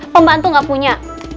pembantu gak punya